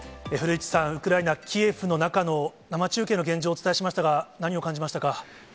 古市さん、ウクライナ・キエフの中の生中継の現状をお伝えしましたが、何を感じましたか。